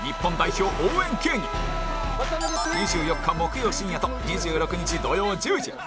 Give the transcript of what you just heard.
２４日木曜深夜と２６日土曜１０時